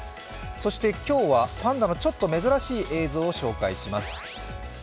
そして今日はパンダのちょっと珍しい映像を紹介します。